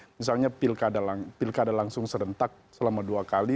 misalnya pilkada langsung serentak selama dua kali